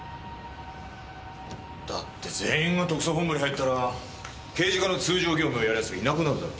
だって全員が特捜本部に入ったら刑事課の通常業務やる奴いなくなるだろ。